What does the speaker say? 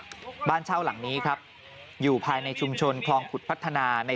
บ้านเช่าหลังนี้ครับอยู่ภายในชุมชนคลองขุดพัฒนาใน